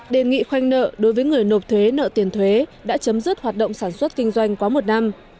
đề nghị khoanh nợ đối với người nộp thuế nợ tiền thuế đã chấm dứt hoạt động sản xuất kinh doanh quá một năm